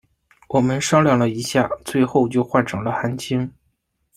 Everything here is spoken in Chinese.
我们商量了一下最后就换成了韩青。